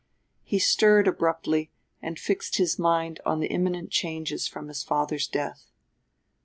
He stirred abruptly, and fixed his mind on the imminent changes from his father's death.